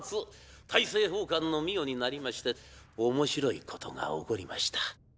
大政奉還の御世になりまして面白いことが起こりました。